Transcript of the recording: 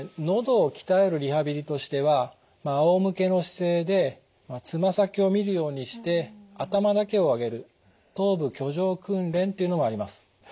のどを鍛えるリハビリとしてはあおむけの姿勢でつま先を見るようにして頭だけを上げる頭部挙上訓練というのがあります。